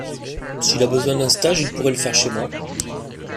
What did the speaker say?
S’il a besoin d’un stage, il pourrait le faire chez moi.